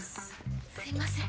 すいません。